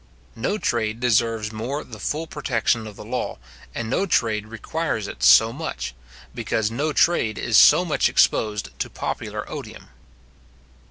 No trade deserves more the full protection of the law, and no trade requires it so much; because no trade is so much exposed to popular odium.